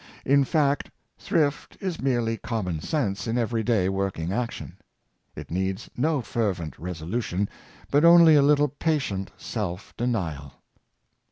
In fact, thrift is merely common sense in every day working action. It needs no fervent resolution, but only a little patient self denial.